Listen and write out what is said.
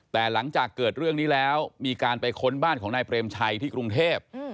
แต่หลังจากเกิดเรื่องนี้แล้วมีการไปค้นบ้านของนายเปรมชัยที่กรุงเทพ